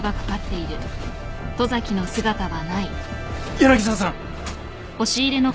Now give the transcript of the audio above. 柳沢さん！